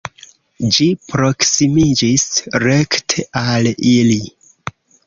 Ĝi proksimiĝis rekte al ili.